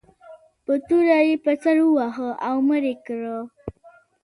په توره یې پر سر وواهه او مړ یې کړ.